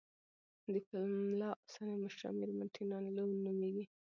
د پملا اوسنۍ مشره میرمن ټینا لو نوميږي.